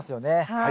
はい。